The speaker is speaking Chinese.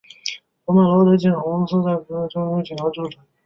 罗德岛州机场公司在机场东面接近消防局的位置拥有几幢住宅。